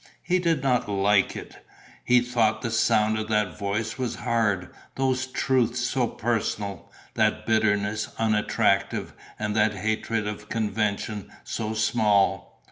He did not like it. He thought the sound of that voice was hard, those truths so personal, that bitterness unattractive and that hatred of convention so small.